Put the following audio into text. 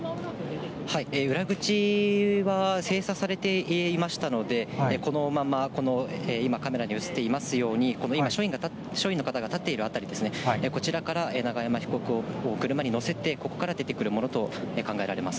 裏口は閉鎖されていましたので、このまま、この今カメラに映っていますように、今、署員の方が立っている辺りですね、こちらから永山被告を車に乗せて、ここから出てくるものと見られます。